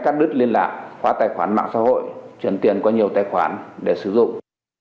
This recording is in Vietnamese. cắt đứt liên lạc khóa tài khoản mạng xã hội chuyển tiền qua nhiều tài khoản để sử dụng